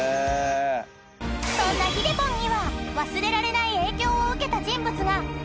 ［そんなひでぽんには忘れられない影響を受けた人物がもう１人］